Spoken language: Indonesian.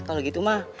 kalau gitu mah